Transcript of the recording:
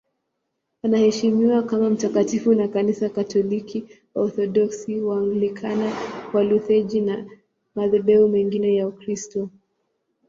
Anaheshimiwa kama mtakatifu na Kanisa Katoliki, Waorthodoksi, Waanglikana, Walutheri na madhehebu mengine ya Ukristo.